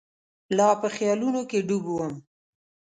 لا په خیالونو کې ډوب وم.